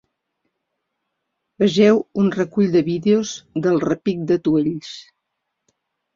Vegeu un recull de vídeos del repic d’atuells.